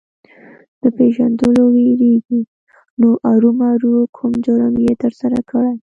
د پېژندلو وېرېږي نو ارومرو کوم جرم یې ترسره کړی.